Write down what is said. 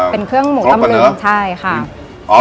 เป็นเครื่องหมูตำลึงใช่ค่ะ